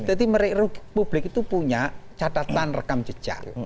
ya gini loh publik itu punya catatan rekam jejak